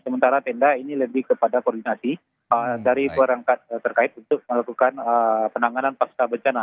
sementara tenda ini lebih kepada koordinasi dari perangkat terkait untuk melakukan penanganan pasca bencana